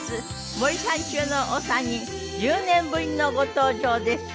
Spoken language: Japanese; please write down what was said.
森三中のお三人１０年ぶりのご登場です。